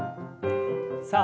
さあ